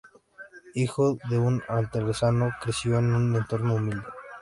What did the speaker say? Hijo de un artesano, creció en un entorno humilde.